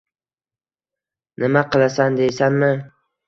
— Nima qilasan, deysanmi?